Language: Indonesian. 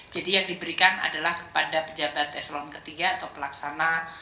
jadi yang diberikan adalah kepada pejabat eselon ketiga atau pelaksana